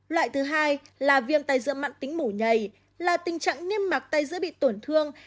loại thứ hai là viêm tai dữa mạng tính mù nhầy là tình trạng niêm mạc tai dữa bị tổn thương